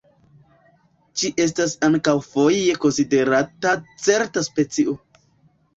Ĝi estas ankaŭ foje konsiderata certa specio.